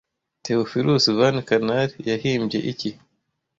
Theophilus Van Kannal yahimbye iki